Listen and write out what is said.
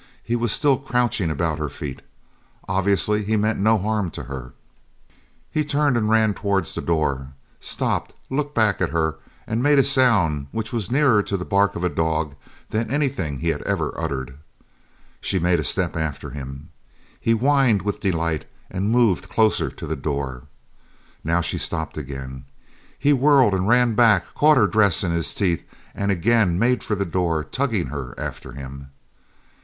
He was still crouching about her feet. Obviously he meant no harm to her. He turned and ran towards the door, stopped, looked back to her, and made a sound which was nearer to the bark of a dog than anything he had ever uttered. She made a step after him. He whined with delight and moved closer to the door. Now she stopped again. He whirled and ran back, caught her dress in his teeth, and again made for the door, tugging her after him.